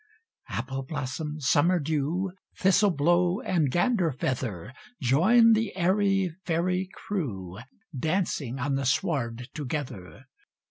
Appleblossom, Summerdew, Thistleblow, and Ganderfeather! Join the airy fairy crewDancing on the sward together!